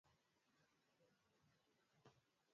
bado iko mbali na ukuu halisi Ukosefu